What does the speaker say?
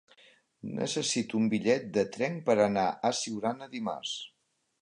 Necessito un bitllet de tren per anar a Siurana dimarts.